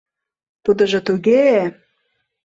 — Тудыжо туге-е...